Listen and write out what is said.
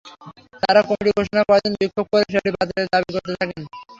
তাঁরা কমিটি ঘোষণার পরদিন বিক্ষোভ করে সেটি বাতিলের দাবি করতে থাকেন।